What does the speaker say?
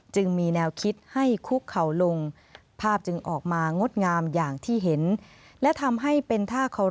จึงมีแนวคิดให้คุกเข่าลงภาพจึงออกมางดงามอย่างที่เห็น